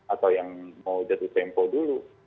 atau yang mau jatuh tempo dulu